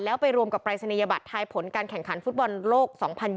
แล้วไปรวมกับปรายศนียบัตรทายผลการแข่งขันฟุตบอลโลก๒๐๒๐